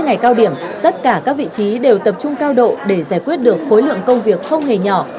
ngày cao điểm tất cả các vị trí đều tập trung cao độ để giải quyết được khối lượng công việc không hề nhỏ